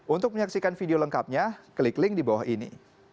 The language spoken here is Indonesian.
untuk menyaksikan video lengkapnya klik link di bawah ini